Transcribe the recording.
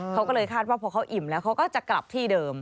เขาก็เลยคาดว่าพอเขาอิ่มแล้วเขาก็จะกลับที่เดิม